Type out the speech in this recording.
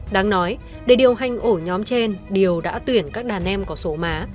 đáng nói để điều hành ổ nhóm trên điều đã tuyển các đàn em có số má